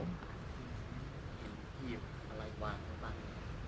เห็นหี่บอะไรบ้าง